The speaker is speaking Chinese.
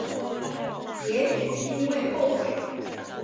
也许是因为后悔